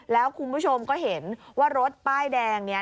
แล้วคุณผู้ชมก็เห็นว่ารถป้ายแดงเนี่ย